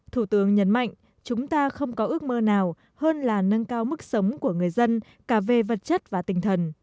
thủ tướng nhấn mạnh chúng ta không có ước mơ nào hơn là nâng cao mức sống của người dân cả về vật chất và tinh thần